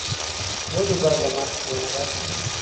ولي باید له مرګ څخه ونه ډار سو؟